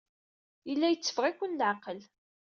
Yella yetteffeɣ-iken leɛqel.